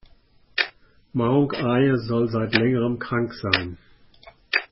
Maung Aye soll seit längerem krank sein.